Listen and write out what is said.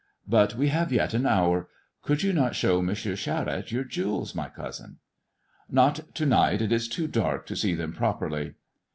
But we have yet an hour. Could you not show M. Charette your jewels, my cousin ]"" Not to night ; it is too dark to see them properly."